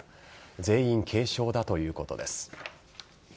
全員、軽傷だということです。